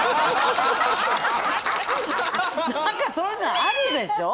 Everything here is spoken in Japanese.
何かそういうのあるでしょ。